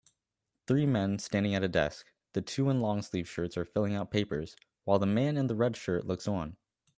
three men standing at a desk the two in longsleeve shirts are filling out papers while the man in the red shirt looks on